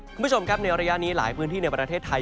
คุณผู้ชมครับในระยะนี้หลายพื้นที่ในประเทศไทย